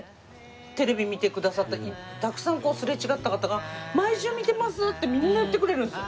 テレビ見てくださったたくさんすれ違った方が毎週見てますってみんな言ってくれるんですよ。